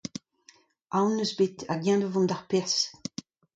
Aon en deus bet hag eñ da vont d'ar pers !